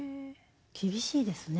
厳しいですね。